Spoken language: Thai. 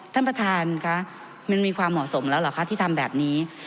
ท่านประธานคะมันมีความเหมาะสมแล้วเหรอคะที่ทำแบบนี้